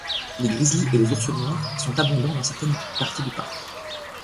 Les grizzlys et les ours noirs sont abondants dans certaines parties du parc.